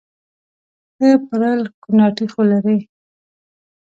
ښه پرل کوناټي خو لري